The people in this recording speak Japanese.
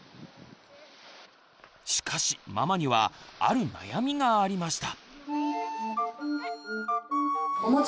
しかしママにはある悩みがありました。